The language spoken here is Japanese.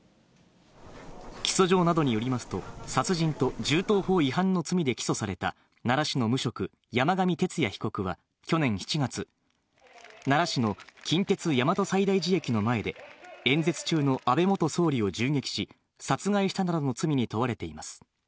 起訴状などによりますと、殺人と銃刀法違反の罪で起訴された、奈良市の無職、山上徹也被告は去年７月、奈良市の近鉄大和西大寺駅の前で、演説中の安倍元総理を銃撃し、殺害したなどの罪に問われています。